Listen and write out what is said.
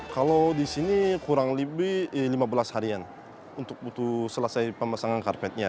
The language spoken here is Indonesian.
kalau di sini kurang lebih lima belas harian untuk butuh selesai pemasangan karpetnya